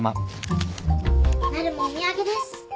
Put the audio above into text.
なるもお土産です。